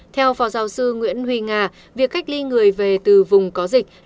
theo phó giáo sư nguyễn huy nga việc cách ly người về từ vùng có dịch